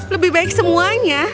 lebih baik semuanya